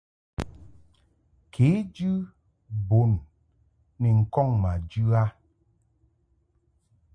Kejɨ bun ni ŋkɔŋ ma jɨ a.